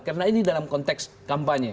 karena ini dalam konteks kampanye